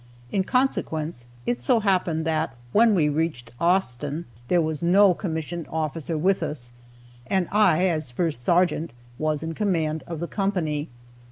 In consequence, it so happened that when we reached Austin, there was no commissioned officer with us, and I, as first sergeant, was in command of the company.